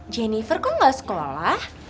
jennifer kok gak sekolah